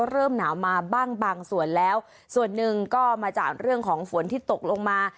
เริ่มหนาวมาบ้างบางส่วนแล้วส่วนหนึ่งก็มาจากเรื่องของฝนที่ตกลงมา